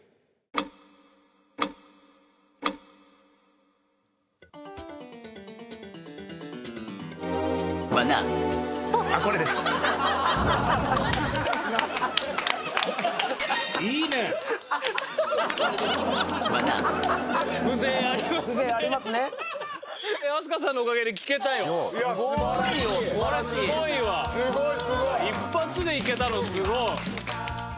一発でいけたのすごい。